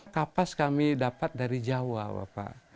kapas kami dapat dari jawa bapak